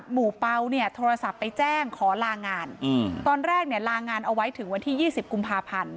หมู่เปล่าเนี่ยโทรศัพท์ไปแจ้งขอลางานตอนแรกเนี่ยลางานเอาไว้ถึงวันที่๒๐กุมภาพันธ์